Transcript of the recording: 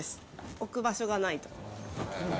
置く場所がないと。